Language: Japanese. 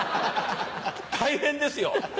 大変ですよ。